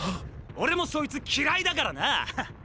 俺もそいつ嫌いだからな！